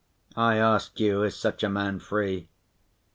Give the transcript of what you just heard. I ask you is such a man free?